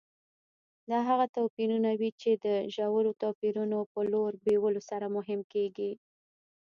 دا هغه توپیرونه وي چې د ژورو توپیرونو په لور بیولو سره مهم کېږي.